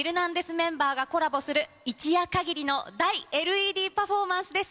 メンバーがコラボする、一夜限りの大ＬＥＤパフォーマンスです。